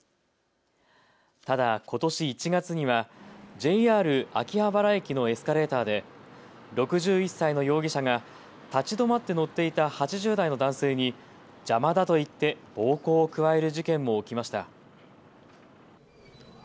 ただ、ことし１月にはＪＲ秋葉原駅のエスカレーターで６１歳の容疑者が立ち止まって乗っていた８０代の男性に邪魔だと言って暴行を加える事件も起きました。